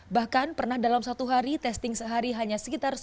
bahkan pernah dalam satu hari testing sehari hanya sekitar sembilan belas ribu